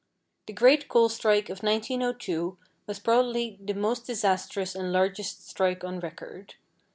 The great coal strike of 1902 was probably the most disastrous and largest strike on record.